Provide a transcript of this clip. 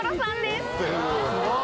すごい。